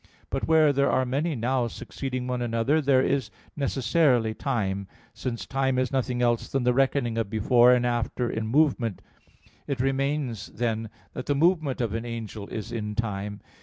But where there are many "nows" succeeding one another, there is necessarily time; since time is nothing else than the reckoning of before and after in movement. It remains, then, that the movement of an angel is in time.